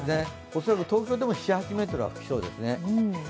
恐らく東京でも７８ｍは吹きそうですね。